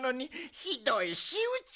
ひどいしうち！